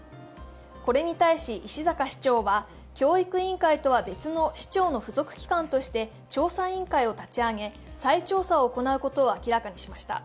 これに対し石阪市長は、教育委員会とは別の市長の付属機関として調査委員会を立ち上げ再調査を行うことを明らかにしました。